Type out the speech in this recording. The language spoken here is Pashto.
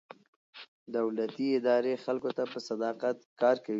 دولتي ادارې خلکو ته په صداقت کار کوي.